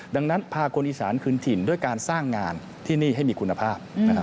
ดังนั้นพาคนอีสานคืนถิ่นด้วยการสร้างงานที่นี่ให้มีคุณภาพ